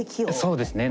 そうですね。